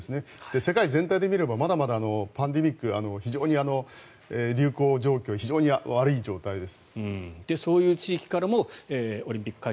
世界全体で見ればまだまだパンデミック非常に流行状況非常に悪い状態です。